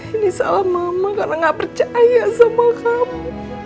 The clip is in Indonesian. ini salah mama karena nggak percaya sama kamu